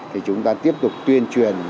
thì chúng ta tiếp tục tuyên truyền